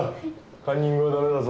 カンニングは駄目だぞ。